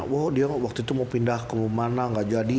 wah dia waktu itu mau pindah kemana gak jadi